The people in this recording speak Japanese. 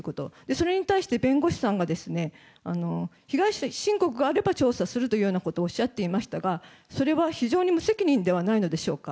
それに対して弁護士さんが、被害申告があれば調査するというようなことをおっしゃっていましたが、それは非常に無責任ではないのでしょうか。